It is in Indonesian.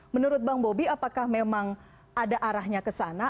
menurut bang bobi apakah memang ada arahnya ke sana